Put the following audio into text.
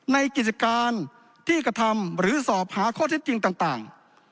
กิจการที่กระทำหรือสอบหาข้อเท็จจริงต่าง